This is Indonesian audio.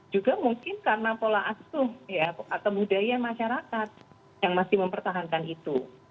juga mungkin karena pola asuh ya kebudayaan masyarakat yang masih mempertahankan itu